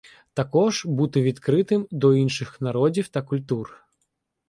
Також — бути відкритим до інших народів та культур